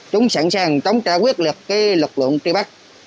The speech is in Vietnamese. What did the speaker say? chúng sẵn sàng chống trả quyết lực lực lượng tri bắt